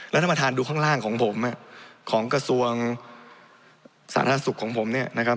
แล้วท่านมาทานดูข้างล่างของผมของกระทรวงสารธรรมสุขของผม